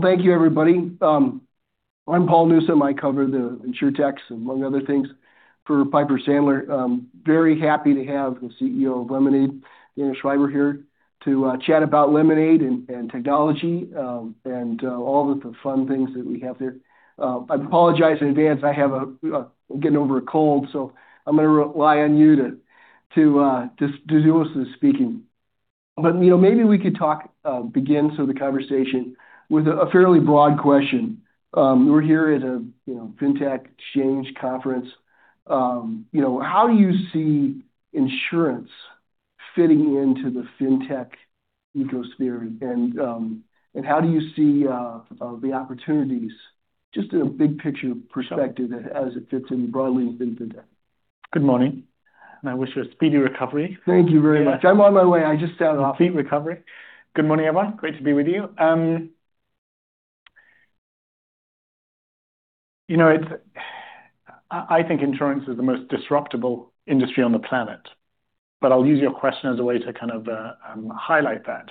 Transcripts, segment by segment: Thank you everybody. I'm Paul Newsome, I cover the Insurtechs, among other things, for Piper Sandler. Very happy to have the CEO of Lemonade, Daniel Schreiber here to chat about Lemonade and technology, and all the fun things that we have there. I apologize in advance, I'm getting over a cold, so I'm going to rely on you to do most of the speaking. Maybe we could talk, begin sort of the conversation with a fairly broad question. We're here at a Fintech Xchange Conference. How do you see insurance fitting into the Fintech ecosphere? How do you see the opportunities, just in a big picture perspective as it fits in broadly with Fintech? Good morning. I wish you a speedy recovery. Thank you very much. I'm on my way. I just sound awful. A complete recovery. Good morning, everyone. Great to be with you. I think insurance is the most disruptable industry on the planet, but I'll use your question as a way to kind of highlight that.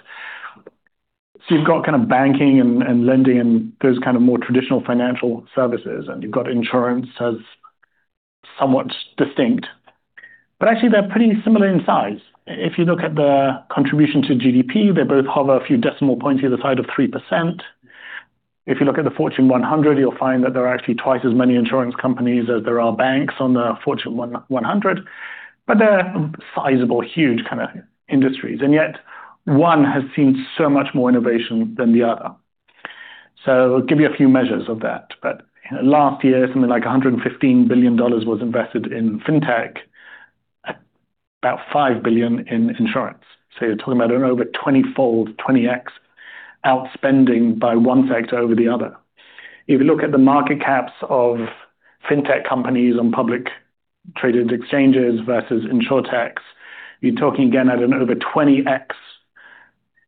You've got kind of banking and lending and those kind of more traditional financial services, and you've got insurance as somewhat distinct. Actually they're pretty similar in size. If you look at the contribution to GDP, they both hover a few decimal points either side of 3%. If you look at the Fortune 100, you'll find that there are actually twice as many insurance companies as there are banks on the Fortune 100. They're sizable, huge kind of industries, and yet one has seen so much more innovation than the other. I'll give you a few measures of that, but last year, something like $115 billion was invested in Fintech. About $5 billion in insurance. You're talking about an over 20-fold, 20x outspending by one sector over the other. If you look at the market caps of Fintech companies on public traded exchanges versus Insurtechs, you're talking again at an over 20x.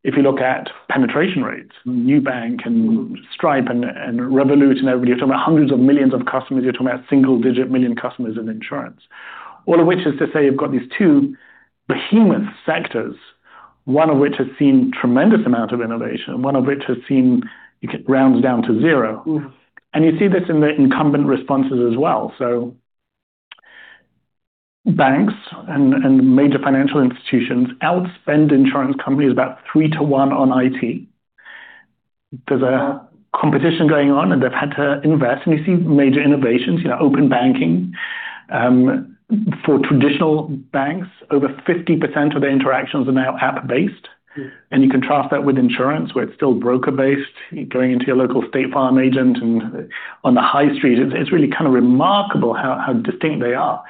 If you look at penetration rates, Nubank and Stripe and Revolut and everybody, you're talking about hundreds of millions of customers, you're talking about single-digit million customers in insurance. All of which is to say you've got these two behemoth sectors, one of which has seen tremendous amount of innovation, one of which has seen it rounds down to zero. You see this in the incumbent responses as well. Banks and major financial institutions outspend insurance companies about 3:1 on IT. There's a competition going on and they've had to invest, and you see major innovations, open banking. For traditional banks, over 50% of their interactions are now app-based. You contrast that with insurance where it's still broker-based, going into your local State Farm agent and on the high street. It's really kind of remarkable how distinct they are.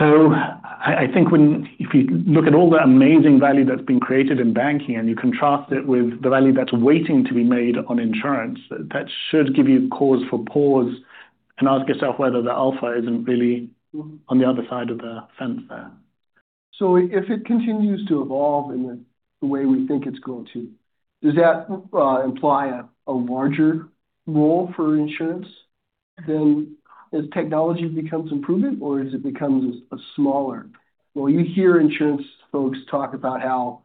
I think if you look at all the amazing value that's been created in banking and you contrast it with the value that's waiting to be made on insurance, that should give you cause for pause and ask yourself whether the alpha isn't really on the other side of the fence there. If it continues to evolve in the way we think it's going to, does that imply a larger role for insurance then as technology becomes improvement, or as it becomes smaller? Well, you hear insurance folks talk about how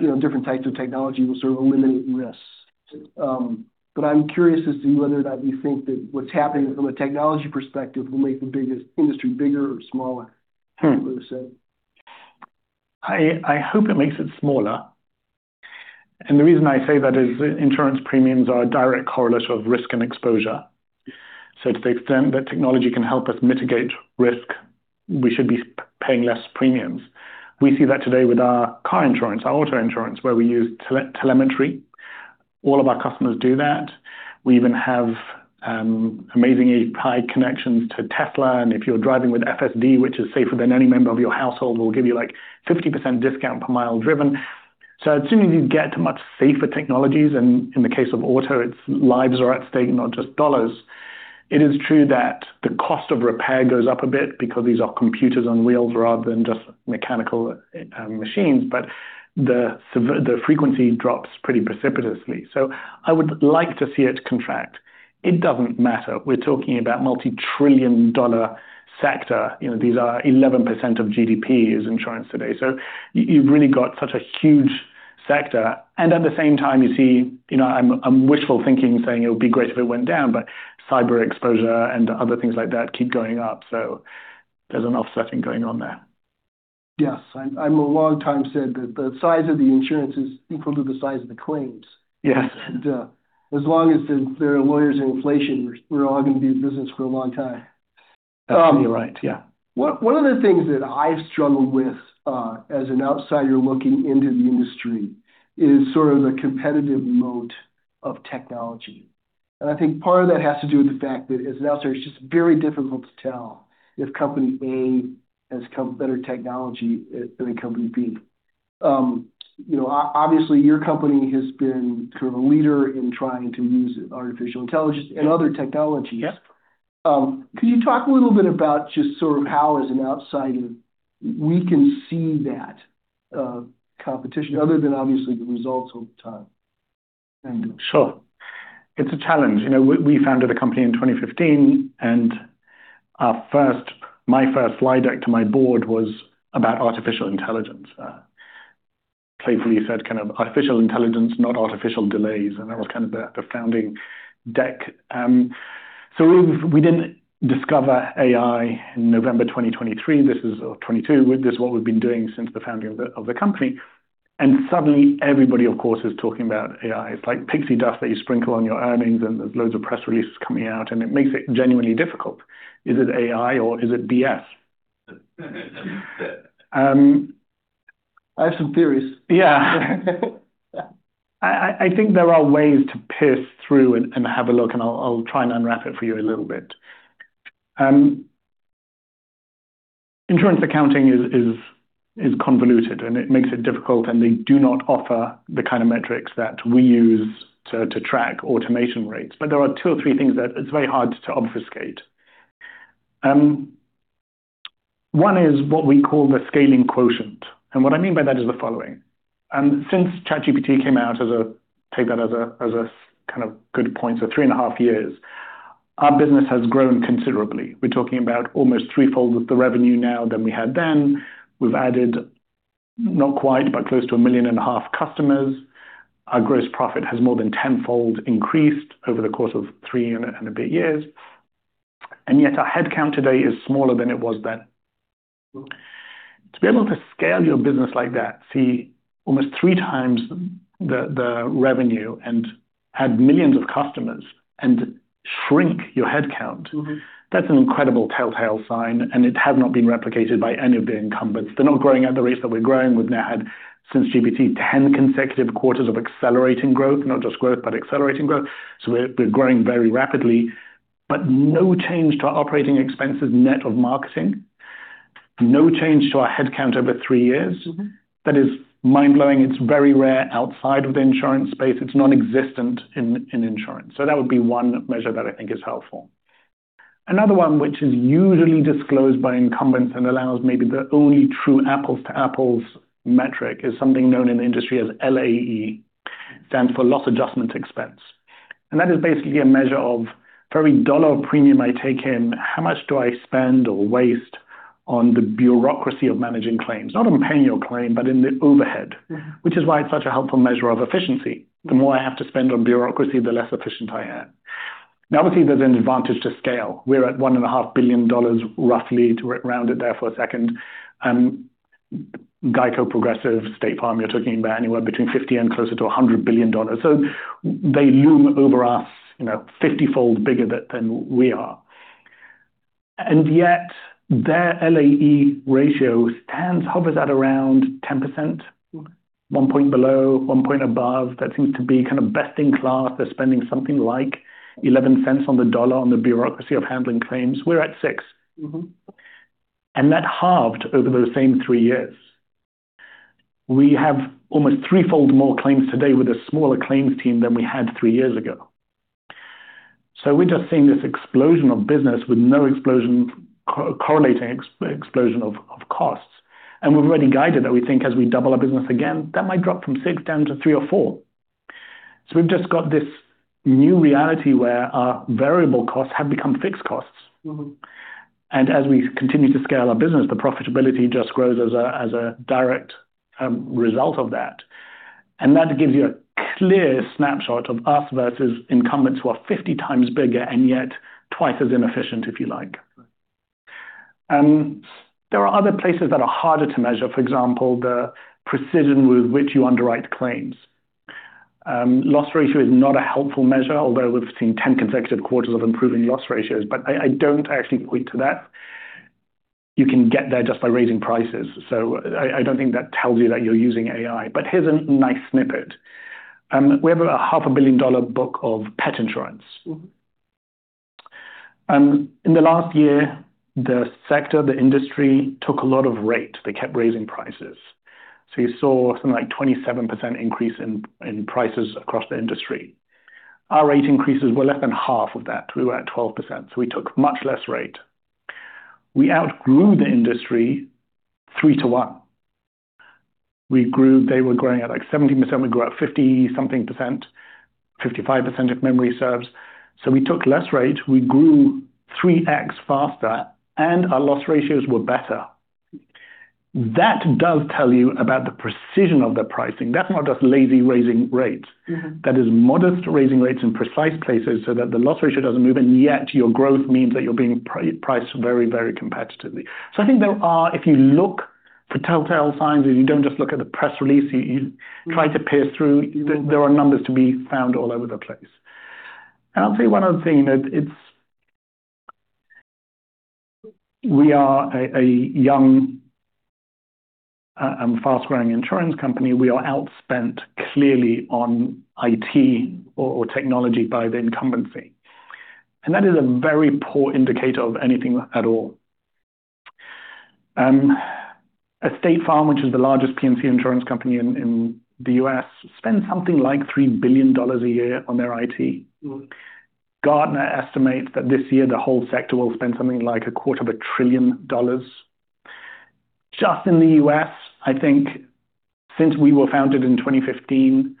different types of technology will sort of eliminate risks. I'm curious as to whether or not you think that what's happening from a technology perspective will make the industry bigger or smaller, would you say? I hope it makes it smaller. The reason I say that is that insurance premiums are a direct correlate of risk and exposure. To the extent that technology can help us mitigate risk, we should be paying less premiums. We see that today with our car insurance, our auto insurance, where we use telemetry. All of our customers do that. We even have amazingly high connections to Tesla, and if you're driving with FSD, which is safer than any member of your household, we'll give you 50% discount per mile driven. As soon as you get to much safer technologies, and in the case of auto, it's lives are at stake, not just dollars, it is true that the cost of repair goes up a bit because these are computers on wheels rather than just mechanical machines, but the frequency drops pretty precipitously. I would like to see it contract. It doesn't matter. We're talking about multi-trillion dollar sector. These are 11% of GDP is insurance today. You've really got such a huge sector, and at the same time you see I'm wishful thinking saying it would be great if it went down, but cyber exposure and other things like that keep going up. There's an offsetting going on there. Yes. I've a long time said that the size of the insurance is equal to the size of the claims. Yes. As long as there are lawyers and inflation, we're all going to be in business for a long time. That's pretty right, yeah. One of the things that I've struggled with, as an outsider looking into the industry, is sort of the competitive moat of technology. I think part of that has to do with the fact that as an outsider, it's just very difficult to tell if company A has better technology than company B. Obviously, your company has been sort of a leader in trying to use artificial intelligence and other technologies. Yep. Could you talk a little bit about just sort of how as an outsider we can see that competition other than obviously the results over time? Sure. It's a challenge. We founded a company in 2015, my first slide deck to my board was about artificial intelligence. Playfully said kind of artificial intelligence, not artificial delays. That was kind of the founding deck. We didn't discover AI in November 2023 or 2022. This is what we've been doing since the founding of the company, and suddenly everybody, of course, is talking about AI. It's like pixie dust that you sprinkle on your earnings, and there's loads of press releases coming out, and it makes it genuinely difficult. Is it AI or is it BS? I have some theories. Yeah. I think there are ways to pierce through and have a look, and I'll try and unwrap it for you a little bit. Insurance accounting is convoluted, and it makes it difficult, and they do not offer the kind of metrics that we use to track automation rates. There are two or three things that it's very hard to obfuscate. One is what we call the scaling quotient. What I mean by that is the following. Since ChatGPT came out, take that as a kind of good point, three and a half years, our business has grown considerably. We're talking about almost threefold of the revenue now than we had then. We've added not quite, but close to a 1.5 million customers. Our gross profit has more than 10-fold increased over the course of three and a bit years, and yet our headcount today is smaller than it was then. To be able to scale your business like that, see almost 3x the revenue and add millions of customers and shrink your headcount. That's an incredible telltale sign, and it has not been replicated by any of the incumbents. They're not growing at the rates that we're growing. We've now had, since GPT, 10 consecutive quarters of accelerating growth. Not just growth, accelerating growth. We're growing very rapidly, but no change to our operating expenses net of marketing, no change to our headcount over three years. That is mind-blowing. It's very rare outside of the insurance space. It's nonexistent in insurance. That would be one measure that I think is helpful. Another one which is usually disclosed by incumbents and allows maybe the only true apples to apples metric is something known in the industry as LAE. Stands for loss adjustment expense. That is basically a measure of for every dollar premium I take in, how much do I spend or waste on the bureaucracy of managing claims? Not on paying your claim, but in the overhead. Which is why it's such a helpful measure of efficiency. The more I have to spend on bureaucracy, the less efficient I am. Now, obviously, there's an advantage to scale. We're at $1.5 billion roughly, to round it there for a second. GEICO, Progressive, State Farm, you're talking about anywhere between $50 billion and closer to $100 billion. They loom over us, 50-fold bigger than we are. Yet, their LAE ratio stands, hovers at around 10%. One point below, one point above. That seems to be kind of best in class. They're spending something like $0.11 on the dollar on the bureaucracy of handling claims. We're at $0.06. That halved over the same three years. We have almost threefold more claims today with a smaller claims team than we had three years ago. We're just seeing this explosion of business with no correlating explosion of costs. We've already guided that we think as we double our business again, that might drop from six down to three or four. We've just got this new reality where our variable costs have become fixed costs. As we continue to scale our business, the profitability just grows as a direct result of that. That gives you a clear snapshot of us versus incumbents who are 50 times bigger and yet twice as inefficient, if you like. There are other places that are harder to measure. For example, the precision with which you underwrite claims. Loss ratio is not a helpful measure. Although we've seen 10 consecutive quarters of improving loss ratios, but I don't actually point to that. You can get there just by raising prices. I don't think that tells you that you're using AI. Here's a nice snippet. We have a $500 million book of pet insurance. In the last year, the sector, the industry took a lot of rate. They kept raising prices. You saw something like 27% increase in prices across the industry. Our rate increases were less than half of that. We were at 12%, so we took much less rate. We outgrew the industry 3:1. They were growing at, like 17%. We grew at 50 something percent, 55% if memory serves. We took less rate, we grew 3x faster, and our loss ratios were better. That does tell you about the precision of the pricing. That's not just lazy raising rates. That is modest raising rates in precise places so that the loss ratio doesn't move, and yet your growth means that you're being priced very, very competitively. I think there are, if you look for telltale signs, if you don't just look at the press release, you try to pierce through, there are numbers to be found all over the place. I'll tell you one other thing, that we are a young and fast-growing insurance company. We are outspent clearly on IT or technology by the incumbency. That is a very poor indicator of anything at all. State Farm, which is the largest P&C insurance company in the U.S., spends something like $3 billion a year on their IT. Gartner estimates that this year the whole sector will spend something like a $250 billion. Just in the U.S., I think since we were founded in 2015,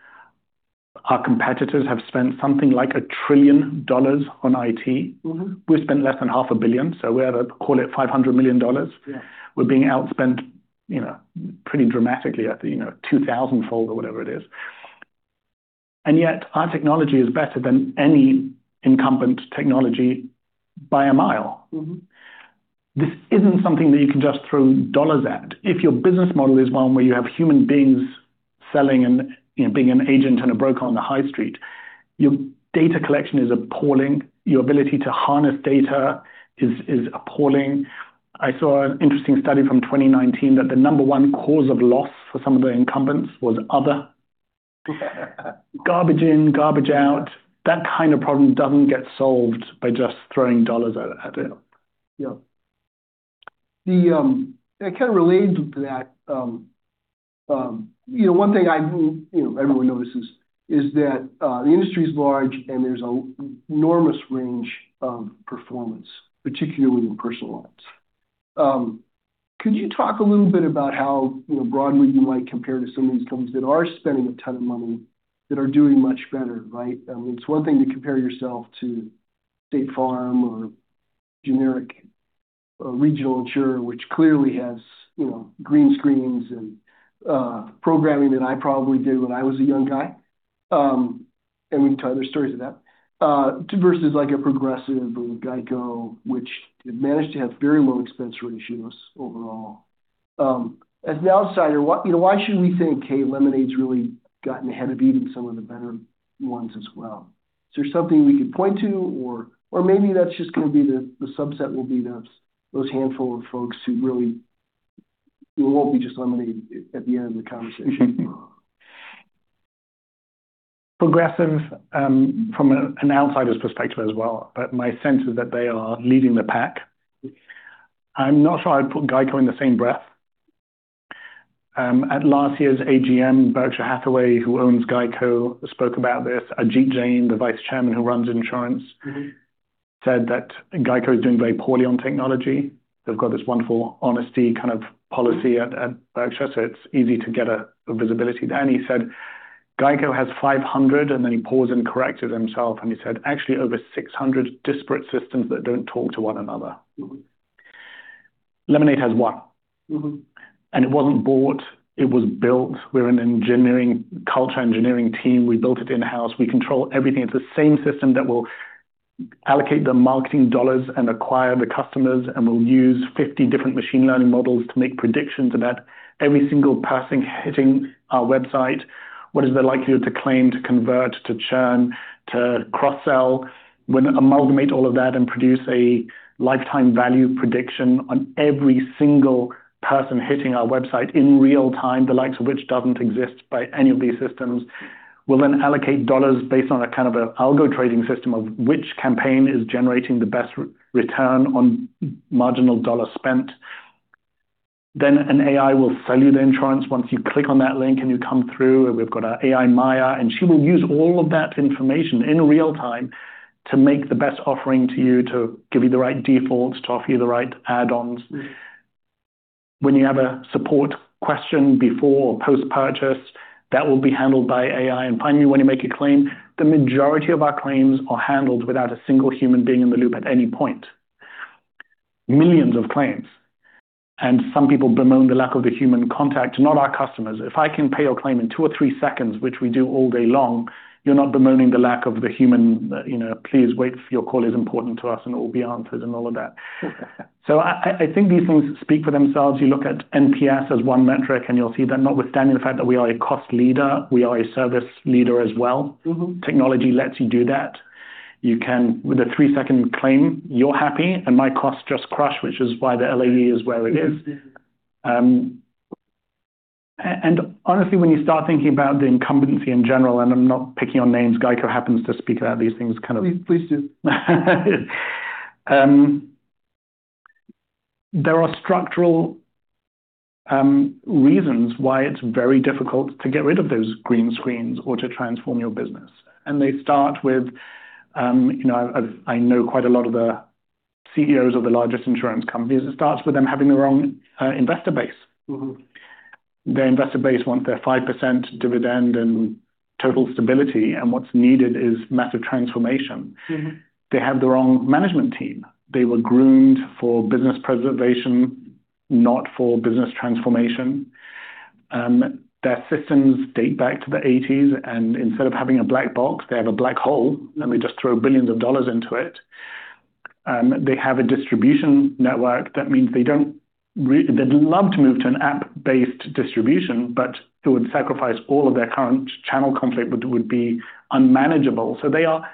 our competitors have spent something like $1 trillion on IT. We've spent less than $500 million, so call it $500 million. Yeah. We're being outspent pretty dramatically at 2,000-fold or whatever it is. Yet our technology is better than any incumbent technology by a mile. This isn't something that you can just throw dollars at. If your business model is one where you have human beings selling and being an agent and a broker on the high street, your data collection is appalling. Your ability to harness data is appalling. I saw an interesting study from 2019 that the number one cause of loss for some of the incumbents was other. Garbage in, garbage out. That kind of problem doesn't get solved by just throwing dollars at it. It relates to that, one thing everyone notices is that the industry's large and there's an enormous range of performance, particularly in personal lines. Could you talk a little bit about how broadly you might compare to some of these companies that are spending a ton of money that are doing much better, right? It's one thing to compare yourself to State Farm or a generic regional insurer, which clearly has green screens and programming that I probably did when I was a young guy. We can tell other stories of that. Versus like a Progressive or GEICO, which have managed to have very low expense ratios overall. As an outsider, why should we think, hey, Lemonade's really gotten ahead of even some of the better ones as well? Is there something we could point to, or maybe that's just going to be the subset will be those handful of folks who it won't be just Lemonade at the end of the conversation? Progressive, from an outsider's perspective as well, but my sense is that they are leading the pack. I'm not sure I'd put GEICO in the same breath. At last year's AGM, Berkshire Hathaway, who owns GEICO, spoke about this. Ajit Jain, the Vice Chairman who runs insurance- said that GEICO is doing very poorly on technology. They've got this wonderful honesty policy at Berkshire, so it's easy to get a visibility there. He said GEICO has 500, and then he paused and corrected himself and he said, "Actually, over 600 disparate systems that don't talk to one another. Lemonade has one. It wasn't bought, it was built. We're a culture engineering team. We built it in-house. We control everything. It's the same system that will allocate the marketing dollars and acquire the customers, and we'll use 50 different machine learning models to make predictions about every single person hitting our website. What is the likelihood to claim, to convert, to churn, to cross-sell? We'll amalgamate all of that and produce a lifetime value prediction on every single person hitting our website in real time, the likes of which doesn't exist by any of these systems. We'll allocate dollars based on a kind of an algo trading system of which campaign is generating the best return on marginal dollar spent. An AI will sell you the insurance once you click on that link and you come through, and we've got our AI, Maya, and she will use all of that information in real time to make the best offering to you to give you the right defaults, to offer you the right add-ons. When you have a support question before or post-purchase, that will be handled by AI. Finally, when you make a claim, the majority of our claims are handled without a single human being in the loop at any point. Millions of claims. Some people bemoan the lack of the human contact, not our customers. If I can pay your claim in two or three seconds, which we do all day long, you're not bemoaning the lack of the human, "Please wait. Your call is important to us, and it will be answered," and all of that. I think these things speak for themselves. You look at NPS as one metric and you'll see that notwithstanding the fact that we are a cost leader, we are a service leader as well. Technology lets you do that. With a three-second claim, you're happy and my costs just crush, which is why the LAE is where it is. Honestly, when you start thinking about the incumbency in general, and I'm not picking on names, GEICO happens to speak about these things. Please do. There are structural reasons why it's very difficult to get rid of those green screens or to transform your business. They start with, I know quite a lot of the CEOs of the largest insurance companies, it starts with them having the wrong investor base. Their investor base want their 5% dividend and total stability, and what's needed is massive transformation. They have the wrong management team. They were groomed for business preservation, not for business transformation. Their systems date back to the '80s, and instead of having a black box, they have a black hole, and they just throw billions of dollars into it. They have a distribution network. That means they'd love to move to an app-based distribution, but it would sacrifice all of their current channel conflict, which would be unmanageable. They are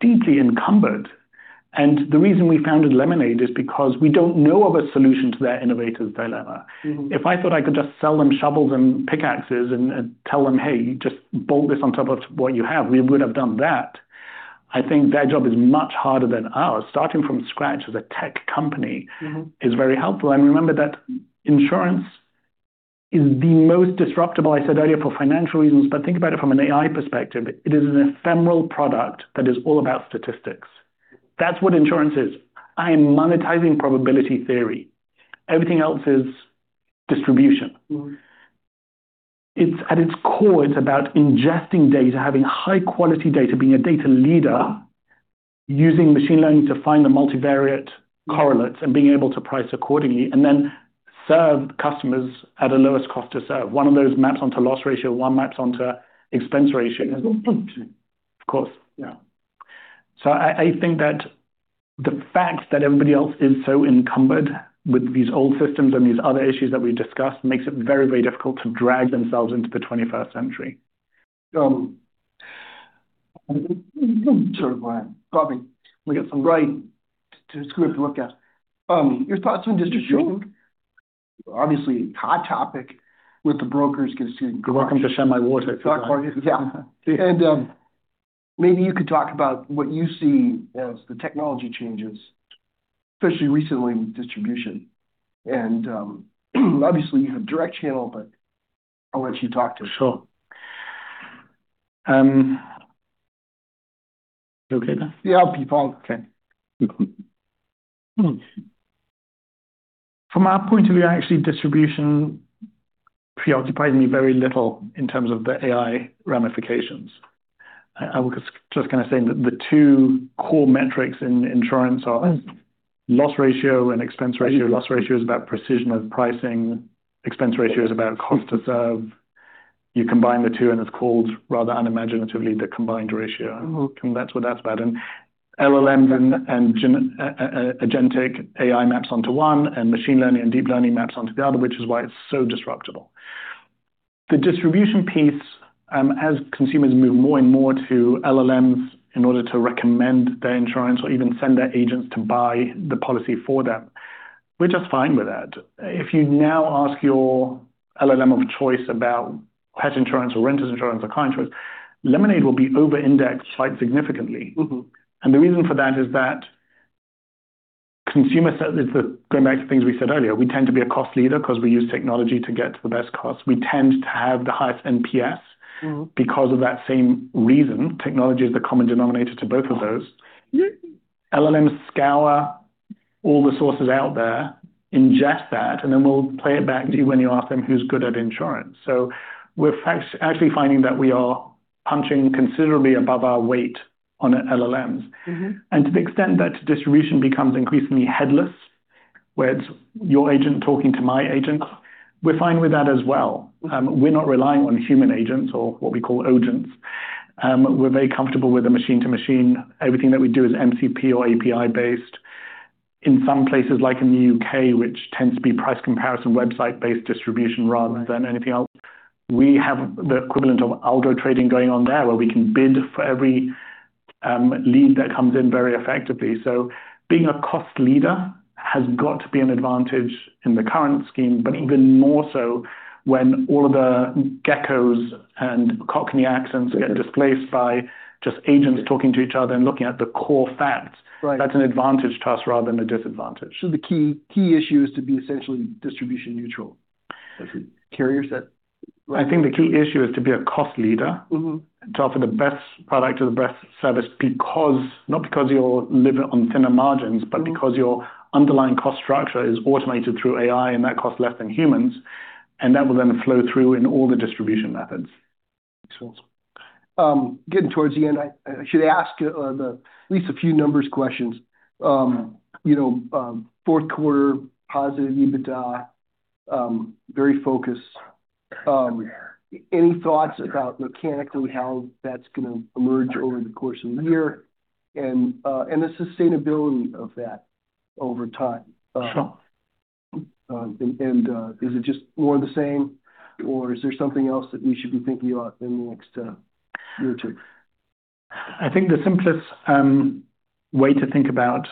deeply encumbered. The reason we founded Lemonade is because we don't know of a solution to their innovators dilemma. If I thought I could just sell them shovels and pickaxes and tell them, "Hey, just bolt this on top of what you have," we would have done that. I think their job is much harder than ours. Starting from scratch as a tech company. Is very helpful. Remember that insurance is the most disruptable, I said earlier, for financial reasons, but think about it from an AI perspective. It is an ephemeral product that is all about statistics. That's what insurance is. I am monetizing probability theory. Everything else is distribution. At its core, it's about ingesting data, having high-quality data, being a data leader, using machine learning to find the multivariate correlates, and being able to price accordingly, and then serve customers at a lowest cost to serve. One of those maps onto loss ratio, one maps onto expense ratio. Of course. Yeah. I think that the fact that everybody else is so encumbered with these old systems and these other issues that we discussed makes it very difficult to drag themselves into the 21st century. Sort of probably look at some right to script to look at. Your thoughts on distribution. Obviously hot topic with the brokers because. You're welcome to share my water if you like. Yeah. Maybe you could talk about what you see as the technology changes, especially recently with distribution. Obviously you have direct channel, but I'll let you talk to it. Sure. You okay there? Yeah, I'll be fine. From our point of view, actually, distribution preoccupies me very little in terms of the AI ramifications. I would just say that the two core metrics in insurance are loss ratio and expense ratio. Loss ratio is about precision of pricing. Expense ratio is about cost to serve. You combine the two, and it's called, rather unimaginatively, the combined ratio. That's what that's about. LLMs and agentic AI maps onto one, and machine learning and deep learning maps onto the other, which is why it's so disruptable. The distribution piece, as consumers move more and more to LLMs in order to recommend their insurance or even send their agents to buy the policy for them, we're just fine with that. If you now ask your LLM of choice about pet insurance or renters insurance or car insurance, Lemonade will be over-indexed quite significantly. The reason for that is that consumer set going back to things we said earlier, we tend to be a cost leader because we use technology to get to the best cost. We tend to have the highest NPS. Because of that same reason. Technology is the common denominator to both of those. LLMs scour all the sources out there, ingest that, and then will play it back to you when you ask them who's good at insurance. We're actually finding that we are punching considerably above our weight on LLMs. To the extent that distribution becomes increasingly headless, where it's your agent talking to my agent, we're fine with that as well. We're not relying on human agents or what we call ogents. We're very comfortable with the machine to machine. Everything that we do is MCP or API based. In some places, like in the U.K., which tends to be price comparison website based distribution rather than anything else, we have the equivalent of algo trading going on there, where we can bid for every lead that comes in very effectively. Being a cost leader has got to be an advantage in the current scheme, but even more so when all of the GEICOs and Cockney accents get displaced by just agents talking to each other and looking at the core facts. Right. That's an advantage to us rather than a disadvantage. The key issue is to be essentially distribution neutral as a carrier set? I think the key issue is to be a cost leader. To offer the best product or the best service not because you're living on thinner margins, but because your underlying cost structure is automated through AI, and that costs less than humans, and that will then flow through in all the distribution methods. Excellent. Getting towards the end. I should ask at least a few numbers questions. Fourth quarter, positive EBITDA very focused. Any thoughts about mechanically how that's going to emerge over the course of the year and the sustainability of that over time? Sure. Is it just more of the same, or is there something else that we should be thinking about in the next year or two? I think the simplest way to think about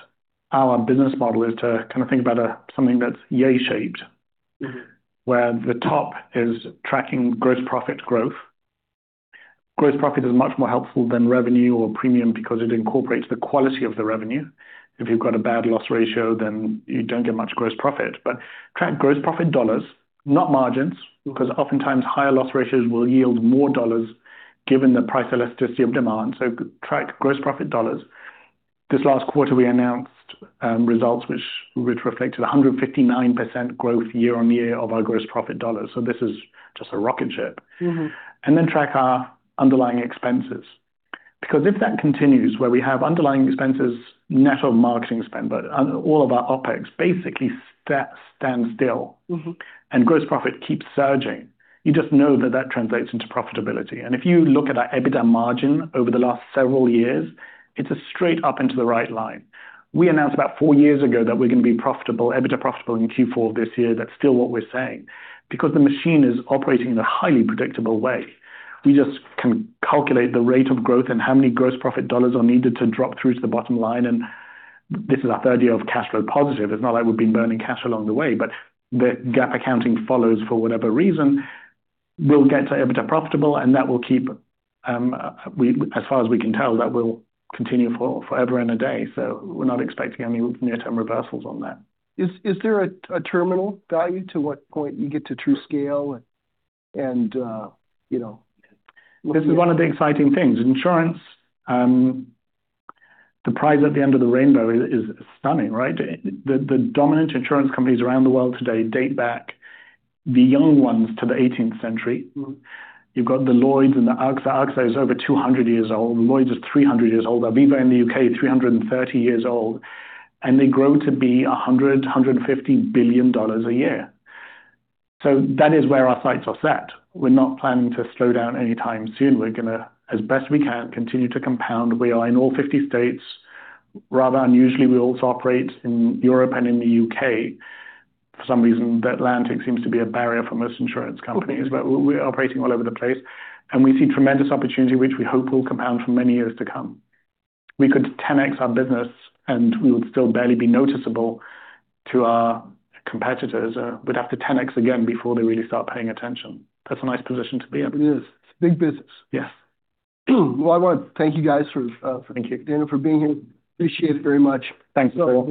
our business model is to think about something that's Y-shaped. Where the top is tracking gross profit growth. Gross profit is much more helpful than revenue or premium because it incorporates the quality of the revenue. If you've got a bad loss ratio, then you don't get much gross profit. Track gross profit dollars, not margins, because oftentimes higher loss ratios will yield more dollars given the price elasticity of demand. Track gross profit dollars. This last quarter, we announced results which reflected 159% growth year-on-year of our gross profit dollars. This is just a rocket ship. Track our underlying expenses. If that continues, where we have underlying expenses, net of marketing spend, but all of our OpEx basically stands still. Gross profit keeps surging, you just know that that translates into profitability. If you look at our EBITDA margin over the last several years, it's a straight up and to the right line. We announced about four years ago that we're going to be profitable, EBITDA profitable in Q4 of this year. That's still what we're saying. The machine is operating in a highly predictable way. We just can calculate the rate of growth and how many gross profit dollars are needed to drop through to the bottom line, and this is our third year of cash flow positive. It's not like we've been burning cash along the way, but the GAAP accounting follows for whatever reason. We'll get to EBITDA profitable, and that will keep, as far as we can tell, that will continue for ever and a day. We're not expecting any near-term reversals on that. Is there a terminal value to what point you get to true scale and looking at? This is one of the exciting things. Insurance, the prize at the end of the rainbow is stunning, right? The dominant insurance companies around the world today date back, the young ones, to the 18th century. You've got the Lloyd's and the AXA. AXA is over 200 years old. Lloyd's is 300 years old. Aviva in the U.K., 330 years old. They grow to be $100 billion, $150 billion a year. That is where our sights are set. We're not planning to slow down anytime soon. We're going to, as best we can, continue to compound. We are in all 50 states. Rather unusually, we also operate in Europe and in the U.K. For some reason, the Atlantic seems to be a barrier for most insurance companies, but we're operating all over the place, and we see tremendous opportunity, which we hope will compound for many years to come. We could 10x our business, and we would still barely be noticeable to our competitors. We'd have to 10x again before they really start paying attention. That's a nice position to be in. It is. It's big business. Yes. Well, I want to thank you guys for. Thank you. For being here. Appreciate it very much. Thanks, Paul.